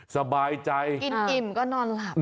สบายใจกินอิ่มก็นอนหลับ